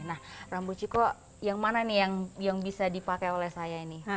nah rambu ciko yang mana nih yang bisa dipakai oleh saya ini